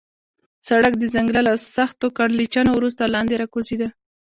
سړک د ځنګله له سختو کږلېچونو وروسته لاندې راکوزېده.